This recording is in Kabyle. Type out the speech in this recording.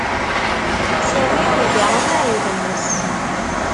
Sami iga amahil-nnes.